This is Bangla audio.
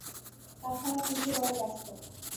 তা ছাড়া শশী বড় ব্যস্ত।